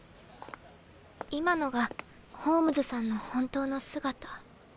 今のがホームズさんの本当の姿。